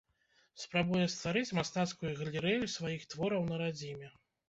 Спрабуе стварыць мастацкую галерэю сваіх твораў на радзіме.